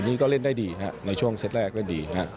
นี่ก็เล่นได้ดีครับในช่วงเซตแรกก็ดีนะครับ